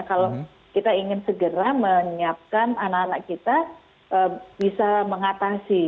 kalau kita ingin segera menyiapkan anak anak kita bisa mengatasi